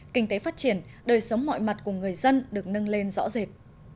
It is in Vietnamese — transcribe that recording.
kinh tế phát triển đời sống mọi mặt của người dân được nâng lên rõ rệt